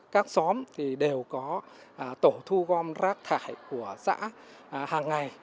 một mươi ba các xóm đều có tổ thu gom rác thải của xã hàng ngày